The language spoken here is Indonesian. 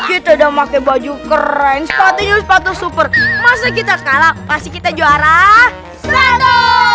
kita udah pakai baju keren sepatu yuk sepatu super masa kita kalah pasti kita juara selalu